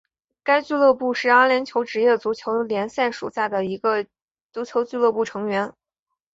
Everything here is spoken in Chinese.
该俱乐部是阿联酋职业足球联赛属下的一个足球俱乐部成员。